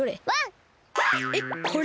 えっこれ？